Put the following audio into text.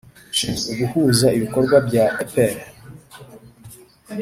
Ushinzwe guhuza ibikorwa bya epr